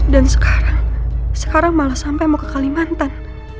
dan sekarang sekarang malah sampai mau ke kalimantan